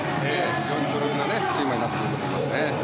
非常に強力なスイマーになってくれると思いますね。